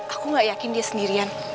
aku gak yakin dia sendirian